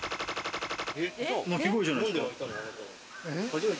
鳴き声じゃないですか？